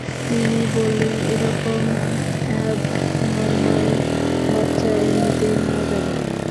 তিনি বললেন, এ-রকম অ্যাবনর্ম্যাল বাচ্চা এমিতেই মারা যাবে।